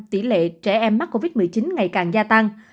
tỷ lệ trẻ em mắc covid một mươi chín ngày càng gia tăng